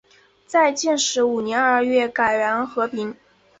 在建始五年二月改元河平。